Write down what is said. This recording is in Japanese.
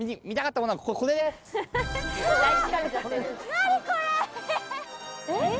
何これ！